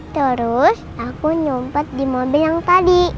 terus aku nyompat di mobil yang tadi